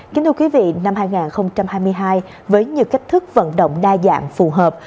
kính thưa quý vị năm hai nghìn hai mươi hai với nhiều cách thức vận động đa dạng phù hợp